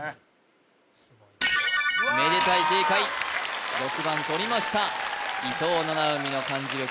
めでたい正解６番取りました伊藤七海の漢字力